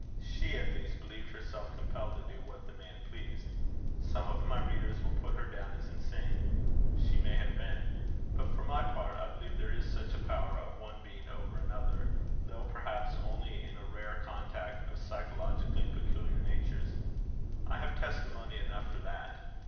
She, at least, believed herself compelled to do what the man pleased. Some of my readers will put her down as insane. She may have been; but, for my part, I believe there is such a power of one being over another, though perhaps only in a rare contact of psychologically peculiar natures. I have testimony enough for that.